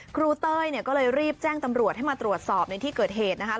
ครูเต้ยเนี่ยก็เลยรีบแจ้งตำรวจให้มาตรวจสอบในที่เกิดเหตุนะคะ